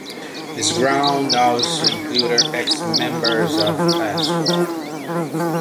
This group also included ex-members of Class War.